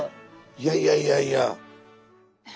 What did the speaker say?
いやいやいやいや。